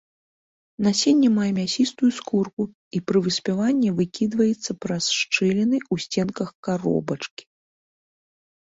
Насенне мае мясістую скурку і пры выспяванні выкідваецца праз шчыліны ў сценках каробачкі.